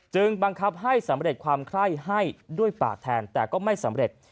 บังคับให้สำเร็จความไคร้ให้ด้วยปากแทนแต่ก็ไม่สำเร็จ